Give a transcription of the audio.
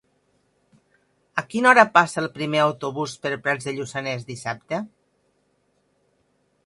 A quina hora passa el primer autobús per Prats de Lluçanès dissabte?